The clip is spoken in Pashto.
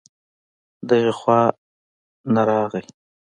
دغې خوا نه راغی